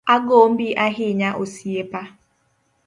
Agombi ahinya osiepa